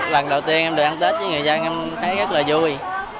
lần đầu tiên em được ăn tết với người dân em thấy rất là vui